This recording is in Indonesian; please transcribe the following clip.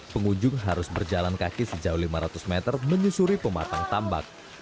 pengunjung harus berjalan kaki sejauh lima ratus meter menyusuri pematang tambak